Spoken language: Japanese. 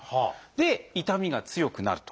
で痛みが強くなると。